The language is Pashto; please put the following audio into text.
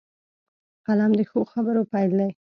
قلم د ښو خبرو پيل دی